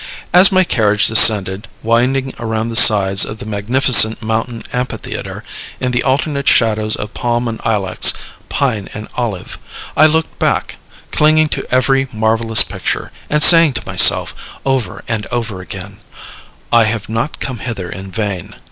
As my carriage descended, winding around the sides of the magnificent mountain amphitheatre, in the alternate shadows of palm and ilex, pine and olive, I looked back, clinging to every marvellous picture, and saying to myself, over and over again, "I have not come hither in vain."